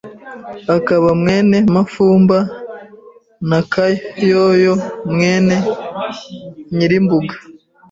akaba mwene Mafumba na Kayoyo mwene Nyirimbuga